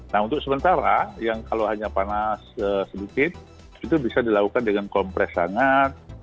nah untuk sementara yang kalau hanya panas sedikit itu bisa dilakukan dengan kompres sangat